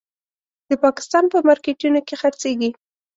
د پاکستان په مارکېټونو کې خرڅېږي.